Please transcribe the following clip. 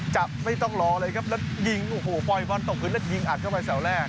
จับไม่ต้องรอเลยครับแล้วยิงโอ้โหปล่อยบอลตกพื้นแล้วยิงอัดเข้าไปเสาแรก